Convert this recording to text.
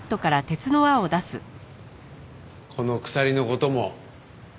この鎖の事も。